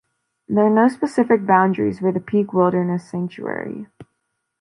There are no specific boundaries for the Peak Wilderness sanctuary.